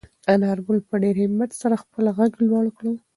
انارګل په ډېر همت سره خپل غږ لوړ کړ.